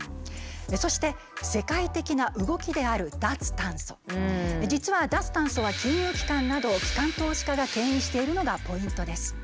そして世界的な動きである実は脱炭素は金融機関など機関投資家がけん引しているのがポイントです。